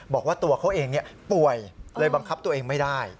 บอกว่าตัวเขาเองป่วยเลยบังคับตัวเองไม่ได้